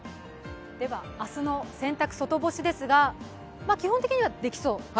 明日の洗濯、外干しですが基本的にはできそう？